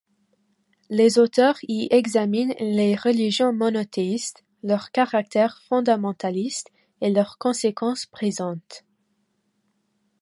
Les auteurs y examinent les religions monothéistes, leur caractère fondamentaliste et leurs conséquences présentes.